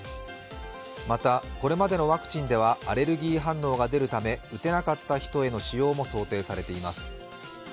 また、これまでのワクチンではアレルギー反応が出るため打てなかった人への使用も想定されています。